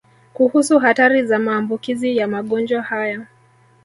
Kuhusu hatari za maambukizi ya magonjwa haya